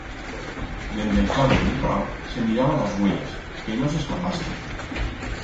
Dende el cabo d'el prau se miraba las uellas, que no s'escapasen.